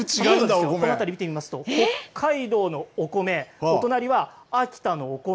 このあたり、見てみますと北海道のお米お隣は秋田のお米